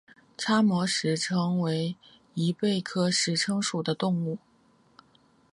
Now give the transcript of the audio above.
叉膜石蛏为贻贝科石蛏属的动物。